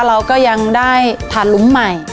เราก็ยังได้ผ่านลุ้มใหม่